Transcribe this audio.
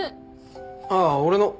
あっ俺の。